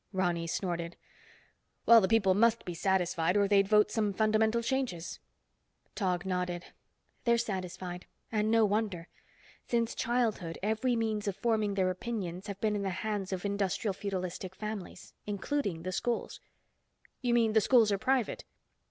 Ronny snorted. "Well, the people must be satisfied or they'd vote some fundamental changes." Tog nodded. "They're satisfied, and no wonder. Since childhood every means of forming their opinions have been in the hands of industrial feudalistic families—including the schools." "You mean the schools are private?"